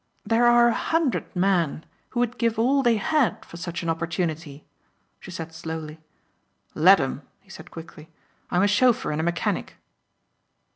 "There are a hundred men who would give all they had for such an opportunity," she said slowly. "Let 'em," he said quickly, "I'm a chauffeur and mechanic."